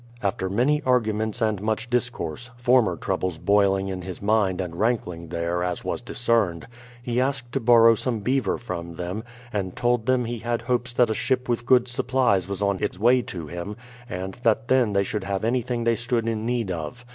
After many arguments and much discourse, — former troubles boiling in his mind and wrankling there, as was discerned, — he asked to borrow some beaver from them, and told them he had hopes that a ship with good supplies was on its way to him, and that then they should have anything they stood in need of.